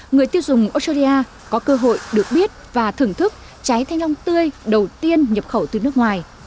người tiêu dùng australia có cơ hội được biết và thưởng thức trái thanh long tươi đầu tiên nhập khẩu từ nước ngoài